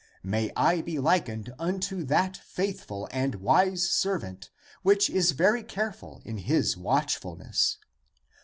May I be likened unto that faithful and wise servant which is very careful in his watchfulness.